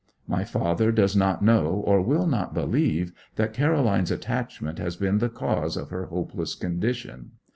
My father does not know, or will not believe, that Caroline's attachment has been the cause of her hopeless condition.